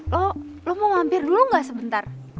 lo lo mau mampir dulu gak sebentar